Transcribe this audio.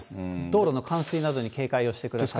道路の冠水などに警戒をしてください。